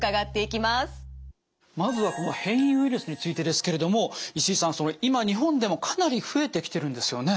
まずはこの変異ウイルスについてですけれども石井さん今日本でもかなり増えてきてるんですよね。